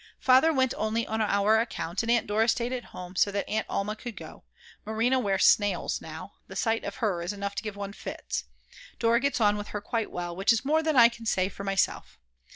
Father went only on our account, and Aunt Dora stayed at home so that Aunt Alma could go. Marina wears "snails" now, the sight of her is enough to give one fits. Dora gets on with her quite well, which is more than I can say for myself.